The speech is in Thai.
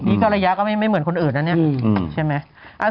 นี่ก็ระยะก็ไม่เหมือนคนอื่นนะเนี่ยใช่ไหม